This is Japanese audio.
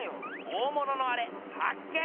大物のアレ発見！